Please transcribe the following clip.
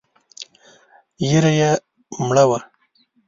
ږيره يې مړه وه.